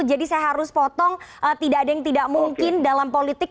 jadi saya harus potong tidak ada yang tidak mungkin dalam politik